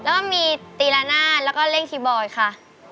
แล้วมีตีลาหน้าแล้วก็เล่นคีย์บอร์ดค่ะ